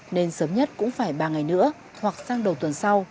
nên sớm nhất cũng phải ba ngày nữa hoặc sang đầu tuần sau